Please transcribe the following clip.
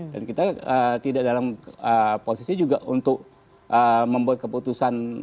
dan kita tidak dalam posisi juga untuk membuat keputusan atau tidak kan